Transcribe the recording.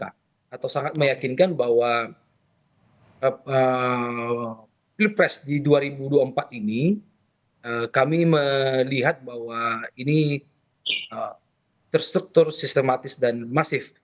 atau sangat meyakinkan bahwa pilpres di dua ribu dua puluh empat ini kami melihat bahwa ini terstruktur sistematis dan masif